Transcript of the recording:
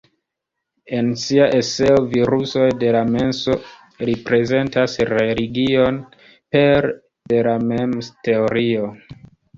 En sia eseo "Virusoj de la menso" li prezentas religion pere de la meme-teorio.